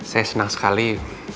saya senang sekali